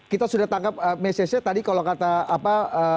kita sudah tangkap message nya tadi kalau kata apa